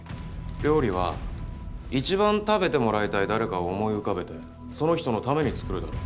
料理は一番食べてもらいたい誰かを思い浮かべてその人のために作るだろ。